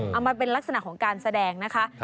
เอามาเป็นลักษณะของการแสดงนะคะ